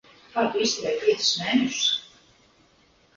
Kā tu izturēji piecus mēnešus?